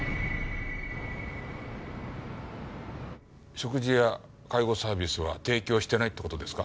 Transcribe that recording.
食事や介護サービスは提供してないって事ですか？